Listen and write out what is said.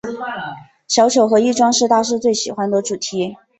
小丑和易装是大师最喜欢的主题。